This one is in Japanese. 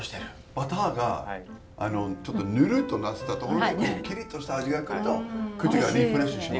バターがちょっとヌルッとなってたところにキリッとした味が来ると口がリフレッシュします。